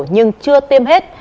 nhưng chưa tiêm hết